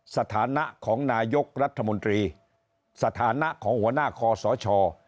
สถานะของนายกรัฐมนตรีสถานะของหัวหน้าคอสช